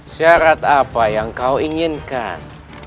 syarat apa yang kau inginkan